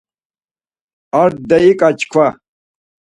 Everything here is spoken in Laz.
Ar deiǩe çkva.